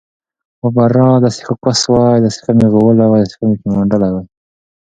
پښتون په پښتو ښه ښکاریږي